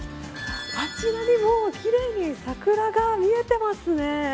あちらに、もう奇麗に桜が見えてますね。